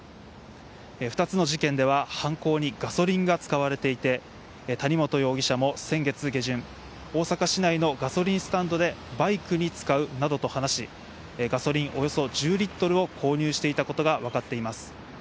２つの事件では犯行にガソリンが使われていて、谷本容疑者も先月下旬、大阪市内のガソリンスタンドでバイクに使うなどと話し、ガソリンおよそ１０リットルを購入していたことが分かっています。